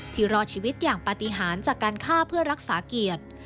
รอดชีวิตอย่างปฏิหารจากการฆ่าเพื่อรักษาเกียรติ